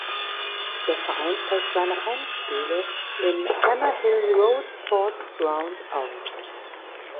Der Verein trägt seine Heimspiele im Hammer Hill Road Sports Ground aus.